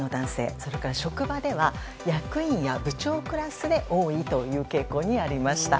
それから職場では役員や部長クラスで多いという傾向にありました。